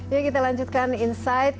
ya kita lanjutkan insight